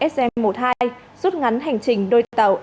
sm một mươi hai rút ngắn hành trình đôi tàu